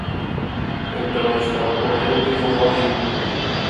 Então eu estava correndo e vovó riu.